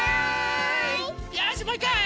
よしもういっかい！